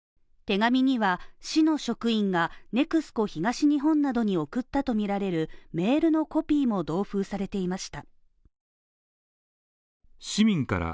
手紙には市の職員がＮＥＸＣＯ東日本などに送ったとみられるメールのコピーも同封されていました。